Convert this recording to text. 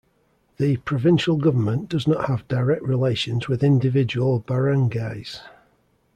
The provincial government does not have direct relations with individual barangays.